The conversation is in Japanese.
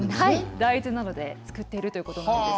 大豆などで作っているということなんです。